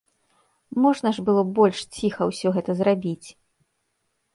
Можна ж было больш ціха ўсё гэта зрабіць.